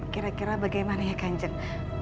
kira kira bagaimana ya kanjeng